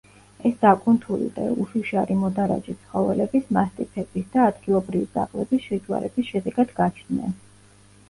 ეს დაკუნთული და უშიშარი მოდარაჯე ცხოველების მასტიფების და ადგილობრივი ძაღლების შეჯვარების შედეგად გაჩნდნენ.